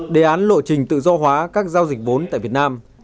đề án lộ trình tự do hóa các giao dịch vốn tại việt nam